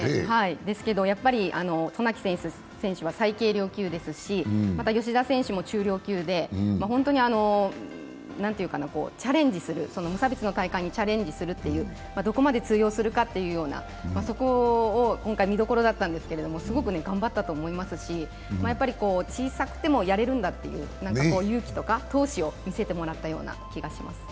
ですけど、やっぱり渡名喜選手は最軽量級ですし芳田選手も中量級で本当に無差別の大会にチャレンジするという、どこまで通用するかという、そこが今回、見どころだったんですけど、すごく頑張ったと思いますし小さくてもやれるんだという勇気とか闘志を見せてもらったような気がします。